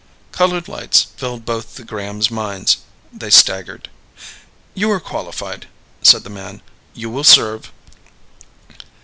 Colored lights filled both the Grahams' minds. They staggered. "You are qualified," said the man. "You will serve."